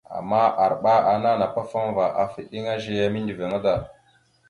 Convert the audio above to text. Ama arɓa ana napafaŋva afa eɗeŋa zeya mindəviŋa.